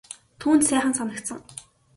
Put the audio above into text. Түүнд сайхан санагдсан.